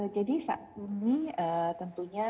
jadi saat ini tentunya